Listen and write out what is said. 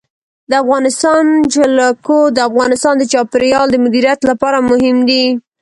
د افغانستان جلکو د افغانستان د چاپیریال د مدیریت لپاره مهم دي.